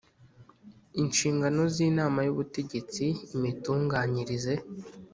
inshingano z inama y ubutegetsi imitunganyirize